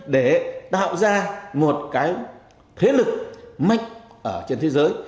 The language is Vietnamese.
để tạo ra một cái thế lực mạnh ở trên thế giới